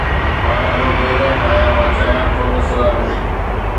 مان ڏاڍو بي رحم آهيان، مان چاهيان ٿو ته سزا ملي